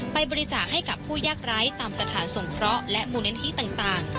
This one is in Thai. ไปบริจาคให้กับผู้ยากไร้ตามสถานสงเคราะห์และมูลนิธิต่าง